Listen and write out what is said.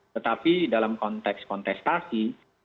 tetapi dalam konteks kontestasi